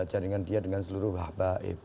jaringan dia dengan seluruh wabah